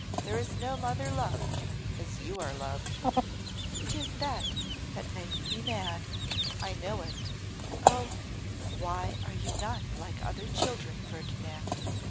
There is no mother loved as you are loved!' ''Tis that that makes me mad. I know it. Oh! why are you not like other children, Ferdinand?